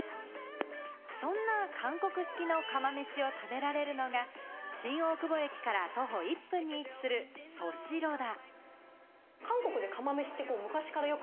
そんな韓国式の釜めしを食べられるのが新大久保駅から徒歩１分に位置するソシロダ。